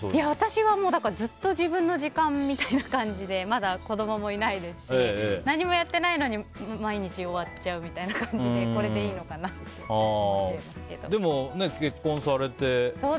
私は、ずっと自分の時間みたいな感じでまだ子供もいないですし何もやってないのに毎日終わっちゃうみたいな感じでこれでいいのかなってでも、結婚されて。